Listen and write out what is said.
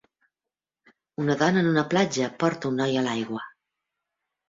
Una dona en una platja porta un noi a l'aigua.